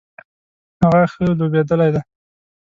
هغه ښه لوبیدلی دی